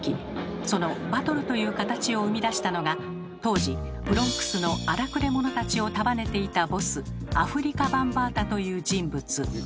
そのバトルという形を生み出したのが当時ブロンクスの荒くれ者たちを束ねていたボスアフリカ・バンバータという人物。